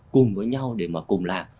cùng với nhau để mà cùng làm